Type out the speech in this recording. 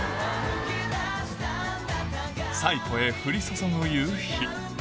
西湖へ降り注ぐ夕日